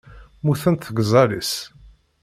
Mmutent tgeẓẓal-is.